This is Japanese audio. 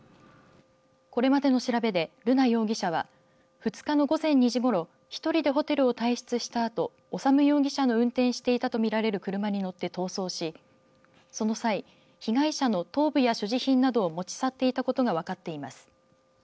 これまでの調べで瑠奈容疑者は２日の午前２時ごろ１人でホテルを退室したあと修容疑者の運転していたと見られる車に乗って逃走しその際、被害者の頭部や所持品などを持ち去っていたことが分かっています。